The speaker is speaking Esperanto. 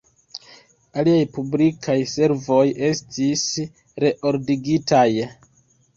Aliaj publikaj servoj estis “reordigitaj.